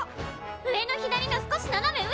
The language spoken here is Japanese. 上の左の少しななめ上！